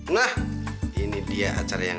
walaupun dari hari ke depan